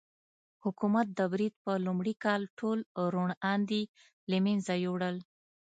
حکومت د برید په لومړي کال ټول روڼ اندي له منځه یووړل.